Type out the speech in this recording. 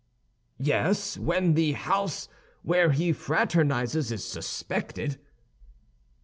"Yes, when the house where he fraternizes is suspected."